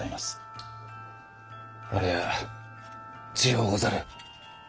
ありゃあ強うござる。